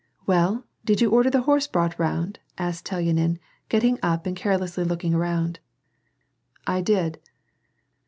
" Well, did you order the horse brought round ?" asked Tel yanin, getting up and carelessly looking around. " I did."